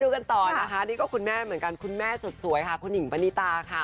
กันต่อนะคะนี่ก็คุณแม่เหมือนกันคุณแม่สุดสวยค่ะคุณหญิงปณิตาค่ะ